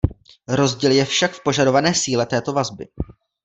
Rozdíl je však v požadované síle této vazby.